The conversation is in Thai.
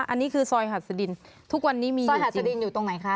อันนี้คือซอยหัดสดินทุกวันนี้มีซอยหัสดินอยู่ตรงไหนคะ